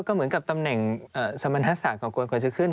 ก็เหมือนกับตำแหน่งสมรรถศาสตร์เก่ากว่าจะขึ้น